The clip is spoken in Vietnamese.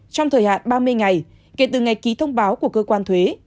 trong thời hạn ba mươi ngày kể từ ngày ký thông báo của cơ quan thuế